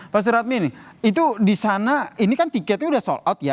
pak suradmini itu di sana ini kan tiketnya sudah sold out ya